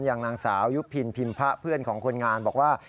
อย่างนางสาวยุพินพิมพะเพื่อนของคนงานบอกว่า